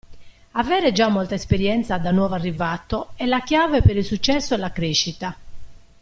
Avere già molta esperienza da nuovo arrivato è la chiave per il successo e la crescita.